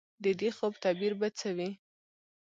د دې خوب تعبیر به څه وي ؟